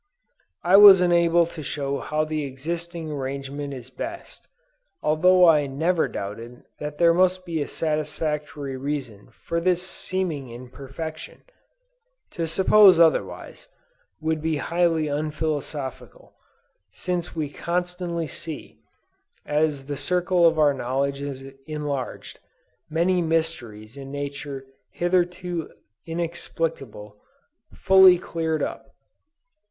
I was unable to show how the existing arrangement is best; although I never doubted that there must be a satisfactory reason for this seeming imperfection. To suppose otherwise, would be highly unphilosophical, since we constantly see, as the circle of our knowledge is enlarged, many mysteries in nature hitherto inexplicable, fully cleared up.